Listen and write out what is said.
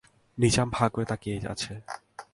নিজাম হাঁ করে তাকিয়ে আছে।